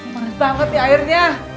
manas banget nih airnya